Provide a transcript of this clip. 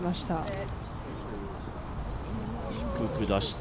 低く出して。